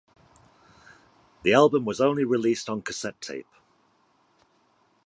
The album was only released on cassette tape.